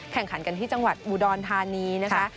แข่งขันกันที่จังหวัดอุดรธานีนะคะ